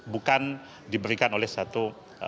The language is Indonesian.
bukan diberikan oleh satu